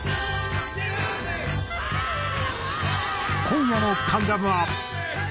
今夜の『関ジャム』は。